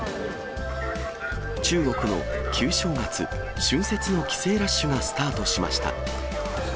中国の旧正月・春節の帰省ラッシュがスタートしました。